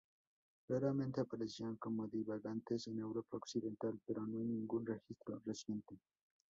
Raramente aparecían como divagantes en Europa occidental, pero no hay ningún registro reciente.